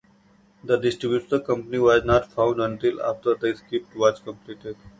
The distribution company was not found until after the script was completed.